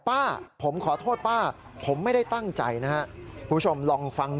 ป้าผมขอโทษป้าผมไม่ได้ตั้งใจนะครับคุณผู้ชมลองฟัง